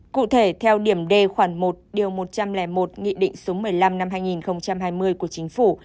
cụ thể theo điểm d khoản một điều một trăm linh một nghị định số một mươi năm năm hai nghìn hai mươi của chính phủ